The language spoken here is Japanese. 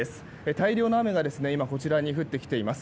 大量の雨がこちらに降ってきています。